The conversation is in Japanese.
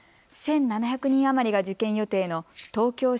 １７００人余りが受験予定の東京